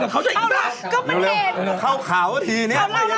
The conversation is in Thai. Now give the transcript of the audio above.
แกก็เป็นกับเขาใช่ไหมป่ะเข้าแล้ว